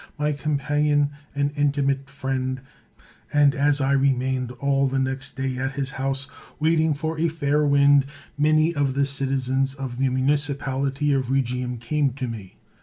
151 THE WORLD'S FAMOUS ORATIONS companion and intimate friend, and as I remained all the next day at his house waiting for a fair wind, many of the citizens of the municipality of Rhegium came to me.